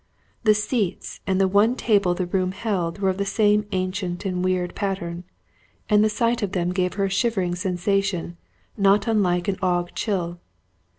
The seats and the one table the room held were of the same ancient and weird pattern, and the sight of them gave her a shivering sensation not unlike an ague chill.